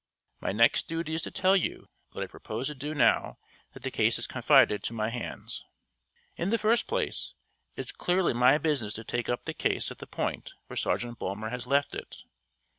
My next duty is to tell you what I propose to do now that the case is confided to my hands. In the first place, it is clearly my business to take up the case at the point where Sergeant Bulmer has left it.